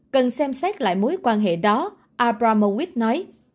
cần xem xét lại mối quan hệ đó abramowit nói